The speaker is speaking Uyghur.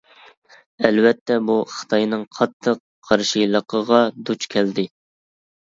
ئەلۋەتتە بۇ خىتاينىڭ قاتتىق قارشىلىقىغا دۇچ كەلدى.